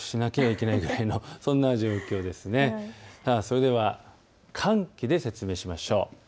それでは寒気で説明しましょう。